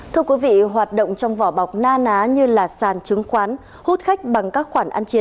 thưa quý vị hoạt động trong vỏ bọc na ná như là sàn chứng khoán hút khách bằng các khoản ăn chia